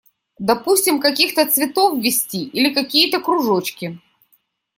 Допустим, таких-то цветов ввести, или какие-то кружочки.